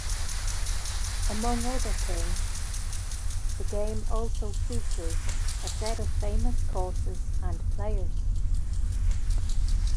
Among other things, the game also features a set of famous courses and players.